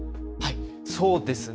そうですね。